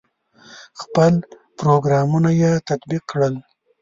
خپل پروګرامونه یې تطبیق کړل.